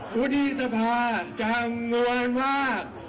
วุฒิพภาจังนวณวาด